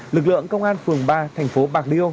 lực lượng công an phường ba thành phố bạc liêu